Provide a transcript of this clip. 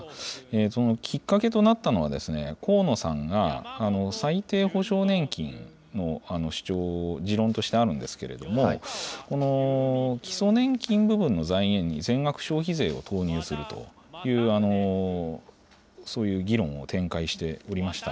そのきっかけとなったのは、河野さんが、最低保障年金の主張、持論としてあるんですけれども、基礎年金部分の財源に全額消費税を投入するという、そういう議論を展開しておりました。